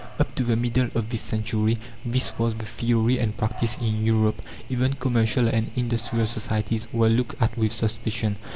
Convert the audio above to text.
Up to the middle of this century this was the theory and practice in Europe. Even commercial and industrial societies were looked at with suspicion.